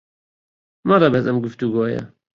مەڵێ بەس ئەم گوفتوگۆیە